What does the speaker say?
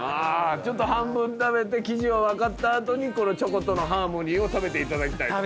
ちょっと半分食べて生地を分かった後にこのチョコとのハーモニーを食べていただきたいと。